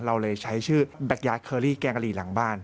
เราเลยใช้ชื่อแบ็คย้ายเคอรี่แกงกะหรี่หลังบ้าน